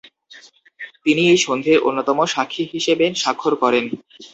তিনি এই সন্ধির অন্যতম সাক্ষী হিসেবে স্বাক্ষর করেন।